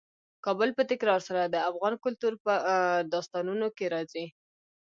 کابل په تکرار سره د افغان کلتور په داستانونو کې راځي.